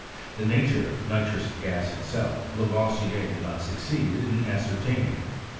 The nature of nitrous gas itself Lavoisier did not succeed in ascertaining.